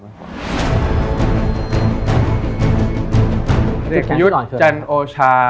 เด็กยุทธ์จันโอชา